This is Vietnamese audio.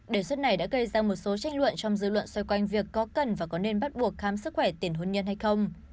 đề xuất này đã gây ra một số trách luận trong dư luận xoay quanh việc có cần và có nên bắt buộc khám sức khỏe tiền hôn nhân hay không